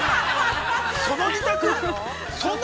◆その２択？